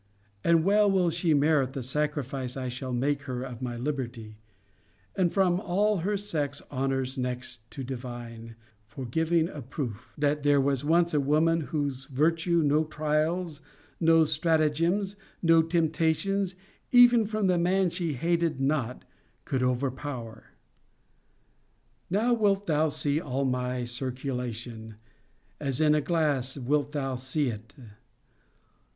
And well will she merit the sacrifice I shall make her of my liberty; and from all her sex honours next to divine, for giving a proof, 'that there was once a woman whose virtue no trials, no stratagems, no temptations, even from the man she hated not, could overpower.' Now wilt thou see all my circulation: as in a glass wilt thou see it.